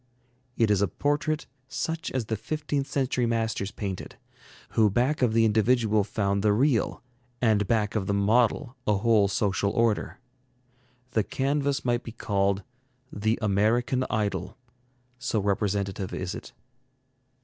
It is a portrait such as the fifteenth century masters painted, who back of the individual found the real, and back of the model a whole social order. The canvas might be called 'The American Idol,' so representative is it.